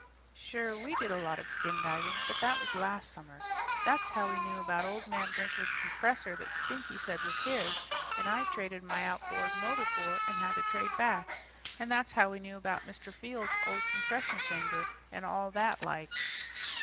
Sure, we did a lot of skin diving, but that was last summer. That's how we knew about old man Brinker's compressor that Stinky said was his and I traded my outboard motor for and had to trade back. And that's how we knew about Mr. Fields' old compression chamber, and all like that.